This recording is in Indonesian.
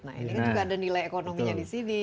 nah ini kan juga ada nilai ekonominya di sini